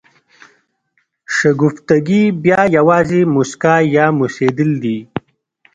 شګفتګي بیا یوازې مسکا یا موسېدل دي.